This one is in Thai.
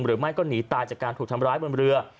หรือไม่ก็หนีตายจากการถูกทำร้ายบนเรือ